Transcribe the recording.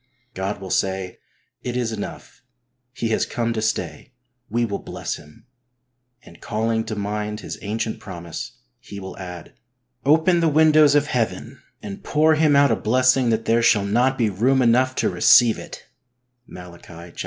God will say :" It is enough ; he has come to stay ; we will bless him," and, calling to mind His ancient promise. He will add :" Open the windows of Heaven and pour him out a blessing that there shall not be room enough to receive it" (Malachi iii.